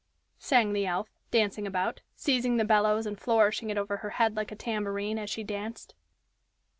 sang the elf, dancing about, seizing the bellows and flourishing it over her head like a tambourine, as she danced.